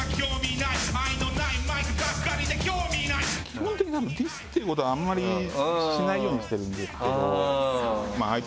基本的にディスっていうことはあんまりしないようにしてるんですけど。